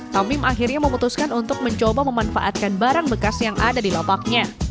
tawim akhirnya memutuskan untuk mencoba memanfaatkan barang bekas yang ada di lapaknya